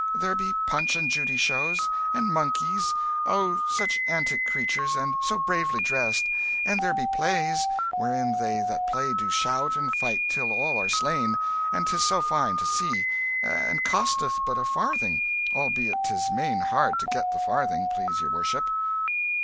There be Punch and Judy shows, and monkeys oh such antic creatures! and so bravely dressed! and there be plays wherein they that play do shout and fight till all are slain, and 'tis so fine to see, and costeth but a farthing albeit 'tis main hard to get the farthing, please your worship."